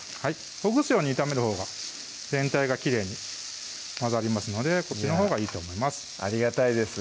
ほぐすように炒めるほうが全体がきれいに混ざりますのでこっちのほうがいいと思いますありがたいです